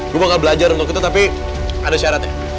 gue bakal belajar untuk kita tapi ada syarat ya